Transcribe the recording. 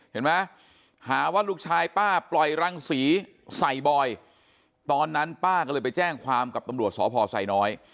เห็นไหมหาว่าลูกชายป้าปล่อยรังสีใส่บอยตอนนั้นป้าก็เลยไปแจ้งความกับตำรวจสพไซน้อย